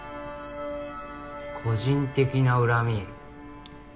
個人的な恨み。